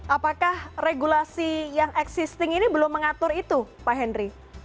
apakah regulasi yang existing ini belum mengatur itu pak henry